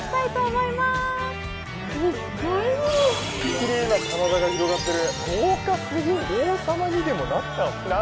きれいな棚田が広がってる。